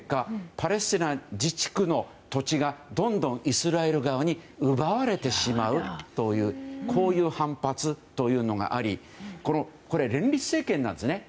パレスチナ自治区の土地がどんどんイスラエル側に奪われてしまうという反発というのがありこれ連立政権なんですね。